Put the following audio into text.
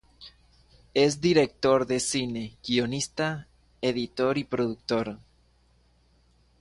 Es Director de cine, guionista, editor y productor.